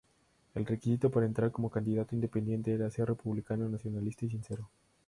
El requisito para entrar como candidato independiente era ser "republicano, nacionalista y sincero".